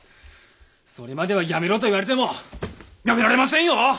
それまではやめろと言われてもやめられませんよ！